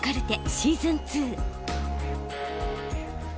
シーズン２。